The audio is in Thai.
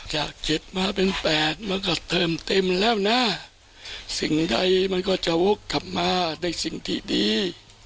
จาก๗มาเป็น๘มันก็เติมเต็มแล้วนะสิ่งใดมันก็จะวกกลับมาในสิ่งที่ดี